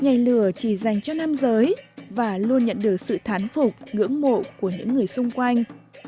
nhảy lửa chỉ dành cho nam giới và luôn nhận được sự thán phục ngưỡng mộ của những người xung quanh